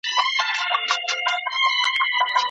د بریا ډالۍ یوازي با استعداده خلګو ته نه سي ورکول کېدلای.